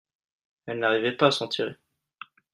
elle n'arrivait pas à s'en tirer.